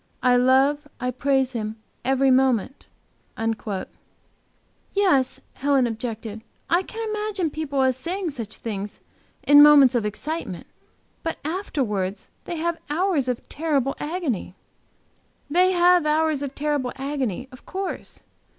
I love, I praise Him every moment.'" "Yes," Helen objected, "I can imagine people as saying such things in moments of excitement; but afterwards, they have hours of terrible agony." "They have 'hours of terrible agony,' of course.